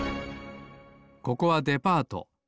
ここはデパート。